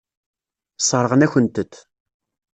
Sseṛɣen-akent-t.